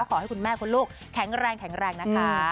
ก็ขอให้คุณแม่คุณลูกแข็งแรงนะคะ